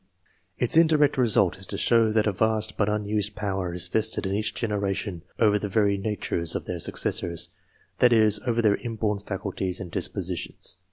[ts indirect result is to show that a vast but unused power vested in each generation ovef the very natures of their iccessors that is, over their inborn faculties and disposi tions.